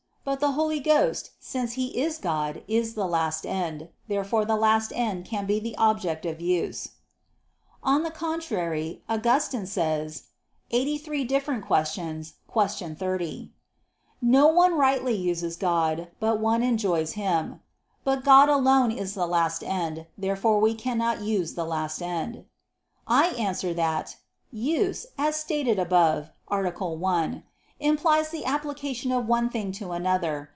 But the Holy Ghost, since He is God, is the last end. Therefore the last end can be the object of use. On the contrary, Augustine says (QQ. 83, qu. 30): "No one rightly uses God, but one enjoys Him." But God alone is the last end. Therefore we cannot use the last end. I answer that, Use, as stated above (A. 1), implies the application of one thing to another.